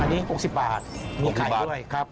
อันนี้๖๐บาทมีไข่ด้วยครับ